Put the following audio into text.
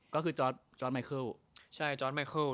ก็คือจอร์จจอร์จไมเคิล